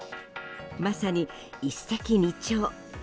まさに一石二鳥。